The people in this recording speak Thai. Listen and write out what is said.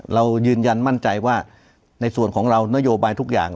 เรายืนยันมั่นใจว่าในส่วนของเรานโยบายทุกอย่าง